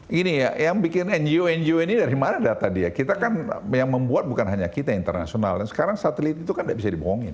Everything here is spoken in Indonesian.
gini ya yang bikin ngo ngo ini dari mana data dia kita kan yang membuat bukan hanya kita internasional dan sekarang satelit itu kan tidak bisa dibohongin